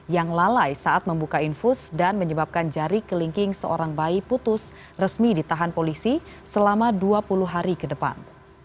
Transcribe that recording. yang lalai saat membuka infus dan menyebabkan jari kelingking seorang bayi putus resmi ditahan polisi selama dua puluh hari ke depan